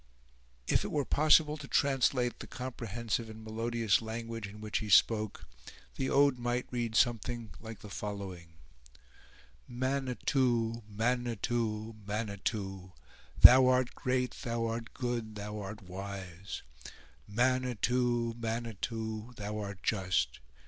If it were possible to translate the comprehensive and melodious language in which he spoke, the ode might read something like the following: "Manitou! Manitou! Manitou! Thou art great, thou art good, thou art wise: Manitou! Manitou! Thou art just.